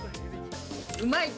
うまい。